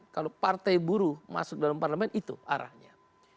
kalau partai buruh masuk dalam parlemen itu arahnya